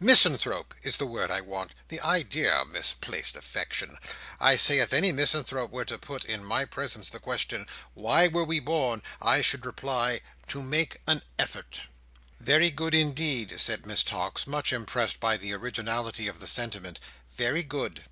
Misanthrope, is the word I want. The idea! Misplaced affection! I say, if any misanthrope were to put, in my presence, the question 'Why were we born?' I should reply, 'To make an effort'." "Very good indeed," said Miss Tox, much impressed by the originality of the sentiment "Very good."